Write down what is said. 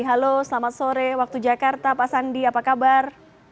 halo selamat sore waktu jakarta pak sandi apa kabar